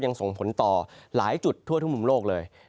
ส่งผลต่อหลายจุดทั่วทุกมุมโลกเลย